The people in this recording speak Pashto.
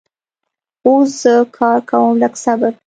اوس زه کار کوم لږ صبر